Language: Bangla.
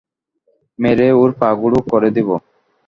মেরে ওর পা গুঁড়ো করে দেবো।